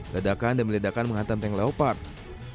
ledakan dan meledakan menghantam tank leopard